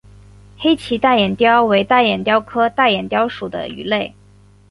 黑鳍大眼鲷为大眼鲷科大眼鲷属的鱼类。